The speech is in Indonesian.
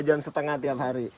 tiga jam setengah tiap hari